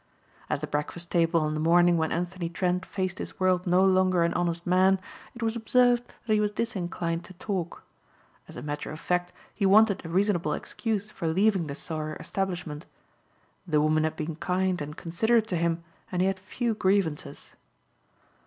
At the breakfast table on the morning when Anthony Trent faced his world no longer an honest man, it was observed that he was disinclined to talk. As a matter of fact he wanted a reasonable excuse for leaving the Sauer establishment. The woman had been kind and considerate to him and he had few grievances.